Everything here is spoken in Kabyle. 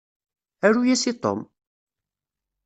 Aru-yas i Tom!